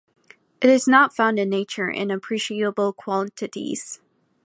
It is not found in nature in appreciable quantities.